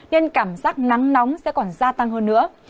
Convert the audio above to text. nên cảm giác nắng nóng sẽ còn gia tăng hơn nữa